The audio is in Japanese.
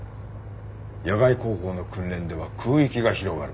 野外航法の訓練では空域が広がる。